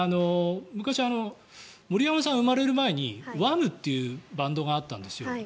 昔、森山さんが生まれる前にワムというバンドがあったんですよ。